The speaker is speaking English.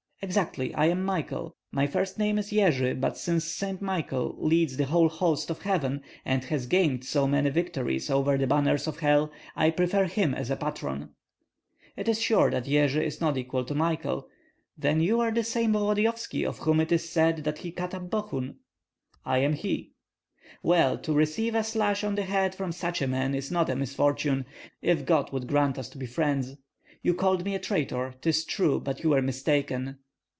"Exactly; I am Michael. My first name is Yerzi; but since Saint Michael leads the whole host of heaven, and has gamed so many victories over the banners of hell, I prefer him as a patron." "It is sure that Yerzi is not equal to Michael. Then you are that same Volodyovski of whom it is said that he cut up Bogun?" "I am he." "Well, to receive a slash on the head from such a man is not a misfortune. If God would grant us to be friends! You called me a traitor, 'tis true, but you were mistaken."